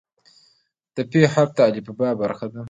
د "ف" حرف د الفبا برخه ده.